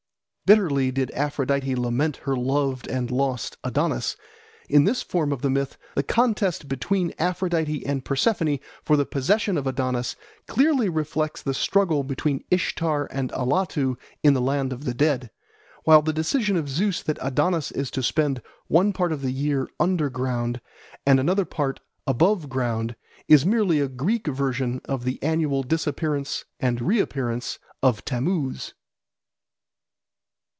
Bitterly did Aphrodite lament her loved and lost Adonis. In this form of the myth, the contest between Aphrodite and Persephone for the possession of Adonis clearly reflects the struggle between Ishtar and Allatu in the land of the dead, while the decision of Zeus that Adonis is to spend one part of the year under ground and another part above ground is merely a Greek version of the annual disappearance and reappearance of Tammuz. XXX.